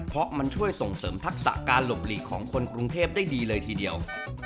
เพราะมันช่วยส่งเสริมทักษะการหลบหลีกของคนกรุงเทพได้ดีเลยทีเดียว